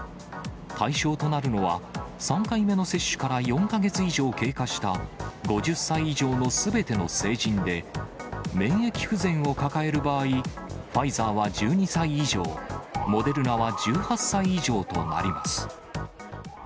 対象となるのは、３回目の接種から４か月以上経過した、５０歳以上のすべての成人で、免疫不全を抱える場合、ファイザーは１２歳以上、モデルナは１８歳以上となります。